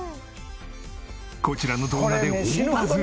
こちらの動画で大バズり。